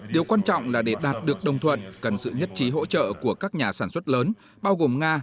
điều quan trọng là để đạt được đồng thuận cần sự nhất trí hỗ trợ của các nhà sản xuất lớn bao gồm nga